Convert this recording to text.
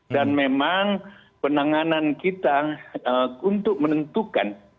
dan memang penanganan kita untuk menentukan